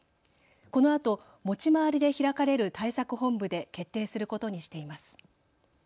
このあと持ち回りで開かれる対策本部で決定することにしています。